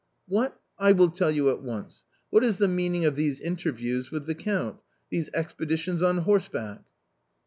" What ! I will tell you at once ; what is the meaning of these interviews with the Count ; these expeditions on horse back